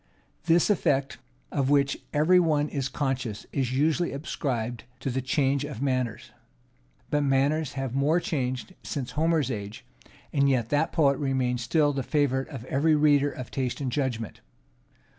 This effect, of which every one is conscious, is usually ascribed to the change of manners: but manners have more changed since Homer's age; and yet that poet remains still the favorite of every reader of taste and judgment.